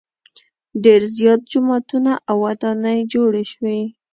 ډېر زیات جوماتونه او ودانۍ جوړې شوې.